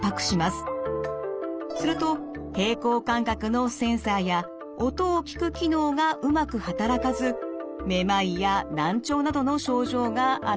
すると平衡感覚のセンサーや音を聞く機能がうまく働かずめまいや難聴などの症状が現れるのです。